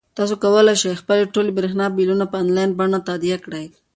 تاسو کولای شئ چې خپلې ټولې برېښنايي بلونه په انلاین بڼه تادیه کړئ.